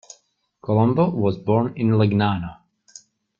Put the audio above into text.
Colombo was born in Legnano.